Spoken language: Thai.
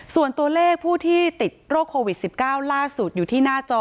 ส่วนตัวเลขผู้ที่ติดโรคโควิด๑๙ล่าสุดอยู่ที่หน้าจอ